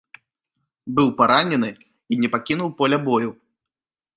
Быў паранены і не пакінуў поля бою.